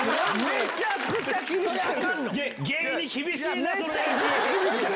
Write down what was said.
めちゃくちゃ厳しかった。